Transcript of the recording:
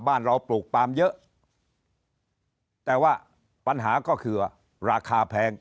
บ้านเราปลูกปลามเยอะแต่ว่าปัญหาก็คือราคาแพง